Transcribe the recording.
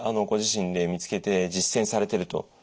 ご自身で見つけて実践されてると。